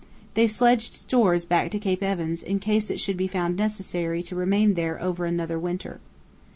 They sledged stores back to Cape Evans in case it should be found necessary to remain there over another winter.